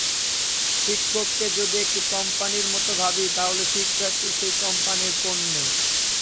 শিক্ষককে যদি একটি কোম্পানির মতো ভাবি, তাহলে শিক্ষার্থী সেই কোম্পানির পণ্য।